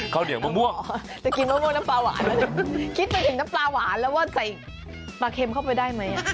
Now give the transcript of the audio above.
ข้าวเหนียวมะม่วงจะกินมะม่วงน้ำปลาหวานแล้วเนี่ยคิดไปถึงน้ำปลาหวานแล้วว่าใส่ปลาเค็มเข้าไปได้ไหม